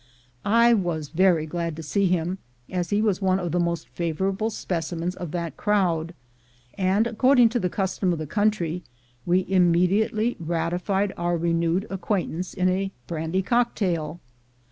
I was very glad to see him, as he was one of the most favorable specimens of that crowd ; and according to the custom of the country, we immediately ratified our renewed acquaintance in a brandy cocktail.